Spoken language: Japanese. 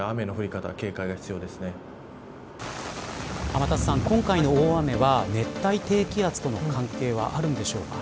天達さん、今回の大雨は熱帯低気圧との関係はあるんでしょうか。